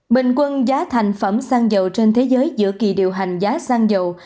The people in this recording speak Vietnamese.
bình quân giá thành phẩm xăng dầu trên thế giới giữa kỳ điều hành giá xăng dầu